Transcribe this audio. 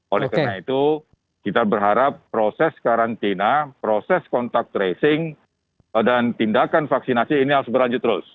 oleh karena itu kita berharap proses karantina proses kontak tracing dan tindakan vaksinasi ini harus berlanjut terus